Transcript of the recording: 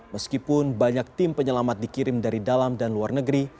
meskipun banyak tim penyelamat dikirim dari dalam dan luar negeri